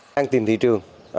đang tìm thị trường